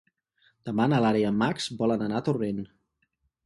Demà na Lara i en Max volen anar a Torrent.